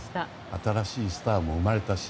新しいスターも生まれたし。